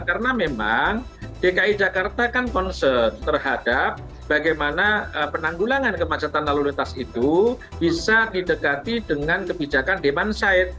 karena memang dki jakarta kan konsen terhadap bagaimana penanggulangan kemacetan lalu lintas itu bisa didekati dengan kebijakan demand side